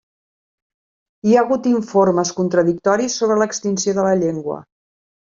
Hi ha hagut informes contradictoris sobre l'extinció de la llengua.